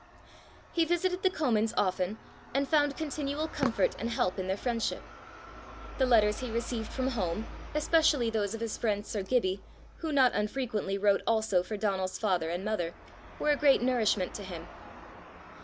He visited the Comins often, and found continual comfort and help in their friendship. The letters he received from home, especially those of his friend sir Gibbie, who not unfrequently wrote also for Donal's father and mother, were a great nourishment to him.